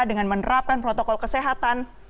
dengan menerapkan protokol kesehatan